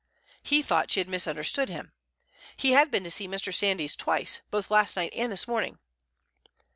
He thought she had misunderstood him. He had been to see Mr. Sandys twice, both last night and this morning.